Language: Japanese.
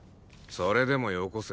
それでもよこせ。